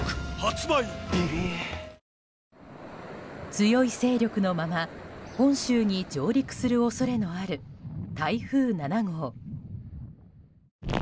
強い勢力のまま、本州に上陸する恐れのある台風７号。